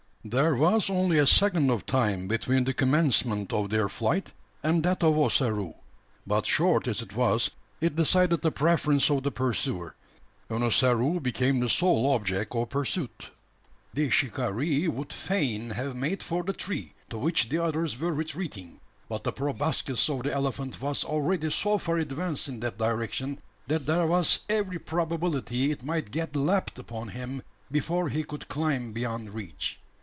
There was only a second of time between the commencement of their flight and that of Ossaroo; but short as it was, it decided the preference of the pursuer, and Ossaroo became the sole object of pursuit. The shikaree would fain have made for the tree, to which the others were retreating; but the proboscis of the elephant was already so far advanced in that direction, that there was every probability it might get lapped upon him before he could climb beyond reach.